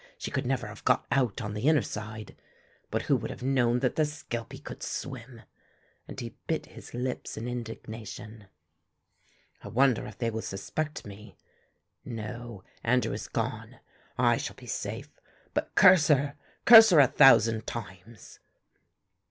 She could never have got out on the inner side. But who would have known that the skelpie could swim?" and he bit his lips in indignation. "I wonder if they will suspect me? No, Andrew is gone. I shall be safe; but curse her, curse her a thousand times."